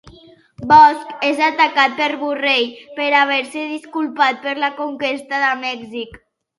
Bosch és atacat per Borrell per haver-se disculpat per la conquesta de Mèxic.